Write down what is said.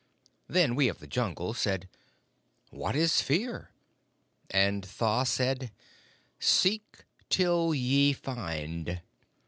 Then we of the Jungle said, 'What is Fear?' And Tha said, 'Seek till ye find.'